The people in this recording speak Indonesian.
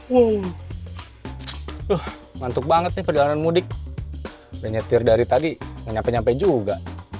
woh ngantuk banget nih perjalanan mudik udah nyetir dari tadi nyampe nyampe juga